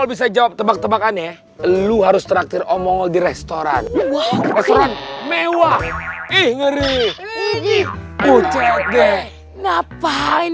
bisa jawab tebak tebakan ya lu harus terakhir omongol di restoran mewah ingin di ucd ngapain